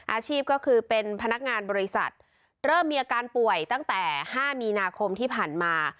อาชีพก็คือเป็นพนักงานบริษัทเริ่มมีอาการป่วยตั้งแต่๕มีนาคมที่ผ่านมา